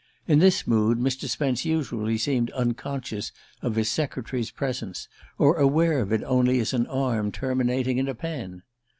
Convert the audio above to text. In this mood Mr. Spence usually seemed unconscious of his secretary's presence, or aware of it only as an arm terminating in a pen.